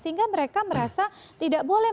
sehingga mereka merasa tidak boleh